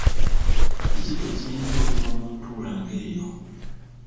Kiki ekiyinza okuva mu ntuula ng’eyo?